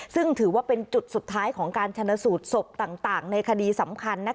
ซึ่งถือว่าเป็นจุดสุดท้ายของการชนะสูตรศพต่างในคดีสำคัญ